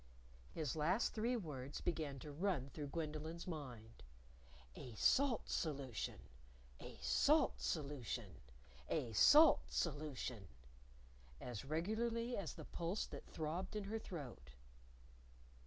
His last three words began to run through Gwendolyn's mind "A salt solution! A salt solution! A salt solution!" as regularly as the pulse that throbbed in her throat.